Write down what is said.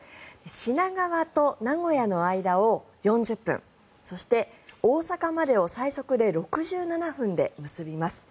品川と名古屋の間を４０分そして、大阪までを最速で６７分で結びます。